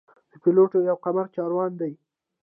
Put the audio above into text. د پلوټو یو قمر چارون دی.